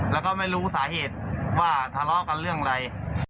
แล้วก็ไม่รู้สาเหตุว่าทะเลาะกันเรื่องอะไร